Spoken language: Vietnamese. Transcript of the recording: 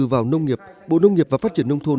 vào nông nghiệp bộ nông nghiệp và phát triển nông thôn